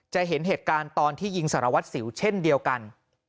เห็นเหตุการณ์ตอนที่ยิงสารวัตรสิวเช่นเดียวกัน